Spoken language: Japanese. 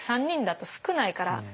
３人だと少ないから。